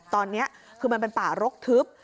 ตอนนี้คือมันเป็นป่ารกทึบ